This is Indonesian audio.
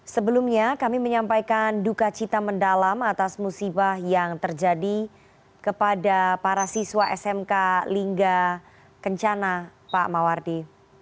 sebelumnya kami menyampaikan duka cita mendalam atas musibah yang terjadi kepada para siswa smk lingga kencana pak mawardi